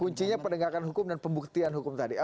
kuncinya penegakan hukum dan pembuktian hukum tadi